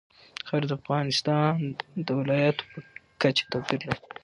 خاوره د افغانستان د ولایاتو په کچه توپیر لري.